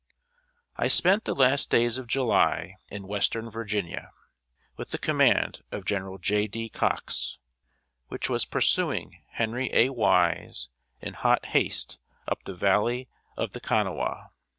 ] I spent the last days of July, in Western Virginia, with the command of General J. D. Cox, which was pursuing Henry A. Wise in hot haste up the valley of the Kanawha.